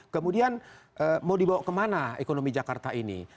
kemudian mau dibawa ke mana ekonomi jakarta ini